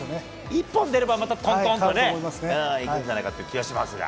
一本出れば、またとんとんっといくんじゃないかという気がしますが。